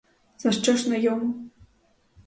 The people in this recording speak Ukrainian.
За що ж на йому?